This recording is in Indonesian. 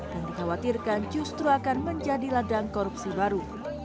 dan dikhawatirkan justru akan menjadi ladang korupsi baru